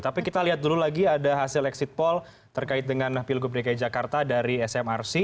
tapi kita lihat dulu lagi ada hasil exit poll terkait dengan pilgub dki jakarta dari smrc